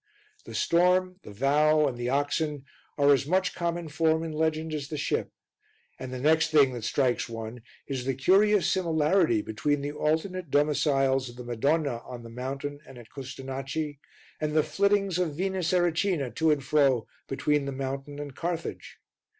The storm, the vow and the oxen are as much common form in legend as the ship; and the next thing that strikes one is the curious similarity between the alternate domiciles of the Madonna on the mountain and at Custonaci, and the flittings of Venus Erycina to and fro between the mountain and Carthage.